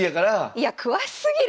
いや詳しすぎる！